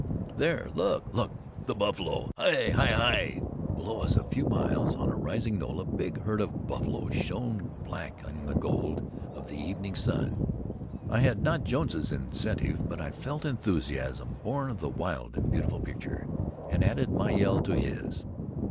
"There! look! look! the buffalo! Hi! Hi! Hi!" Below us, a few miles on a rising knoll, a big herd of buffalo shone black in the gold of the evening sun. I had not Jones's incentive, but I felt enthusiasm born of the wild and beautiful picture, and added my yell to his.